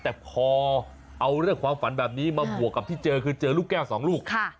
แต่พอเอาเรื่องความฝันแบบนี้มาบวกกับที่เจอคือเจอลูกแก้วสองลูก